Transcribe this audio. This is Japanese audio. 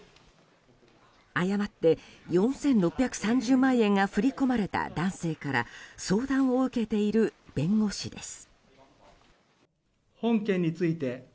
誤って４６３０万円が振り込まれた男性から相談を受けている弁護士です。